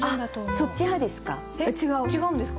そっち派ですか？